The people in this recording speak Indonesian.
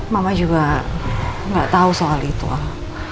mama juga gak tau soal itu al